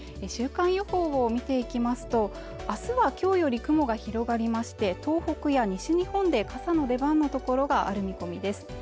週間予報を見ていきますと明日は今日より雲が広がりまして東北や西日本で傘の出番の所がある見込みです